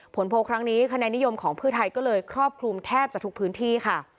โพลครั้งนี้คะแนนนิยมของเพื่อไทยก็เลยครอบคลุมแทบจะทุกพื้นที่ค่ะ